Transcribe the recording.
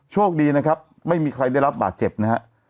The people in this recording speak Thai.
โชคดีนะครับไม่มีใครได้รับบาดเจ็บนะฮะ